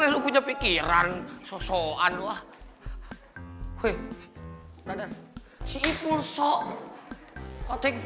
ibu sini berantem nadi kamu tuntut